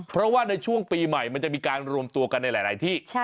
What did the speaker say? เพราะว่าในช่วงปีใหม่มันจะมีการรวมตัวกันในหลายที่